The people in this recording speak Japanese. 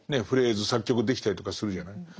フレーズ作曲できたりとかするじゃない。